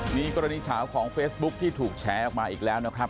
มีกรณีเฉาของเฟซบุ๊คที่ถูกแฉออกมาอีกแล้วนะครับ